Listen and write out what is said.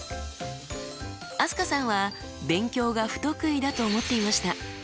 飛鳥さんは勉強が不得意だと思っていました。